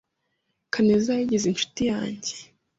Kaneza yigize inshuti yanjye.